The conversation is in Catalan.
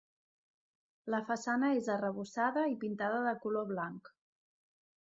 La façana és arrebossada i pintada de color blanc.